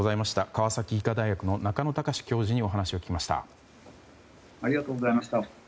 川崎医科大学の中野貴司教授にお話を伺いました。